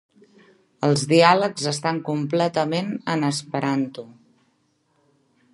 Els diàlegs estan completament en esperanto.